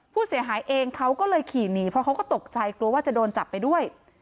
ผู้เสียหายเองเขาก็เลยขี่หนีเพราะเขาก็ตกใจกลัวว่าจะโดนจับไปด้วย